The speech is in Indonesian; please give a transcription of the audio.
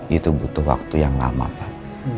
itu butuh waktu yang lama pak